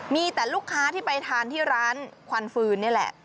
มีแต่ลูกค้าที่ไปทานที่ร้านควันฟืนนี่แหละ